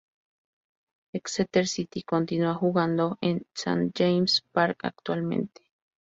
Exeter City continúa jugando en St James Park actualmente.